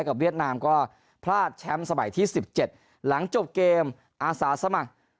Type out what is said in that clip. เวียดนามก็พลาดแชมป์สมัยที่๑๗หลังจบเกมอาสาสมัคร